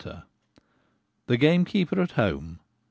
1 66 The Gamekeeper at Home.